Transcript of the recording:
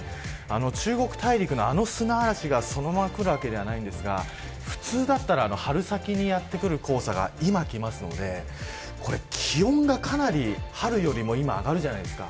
中国大陸のあの砂嵐がそのまま来るわけではないですが普通だったら春先にやってくる黄砂が、今きますので気温がかなり春よりも今上がるじゃないですか。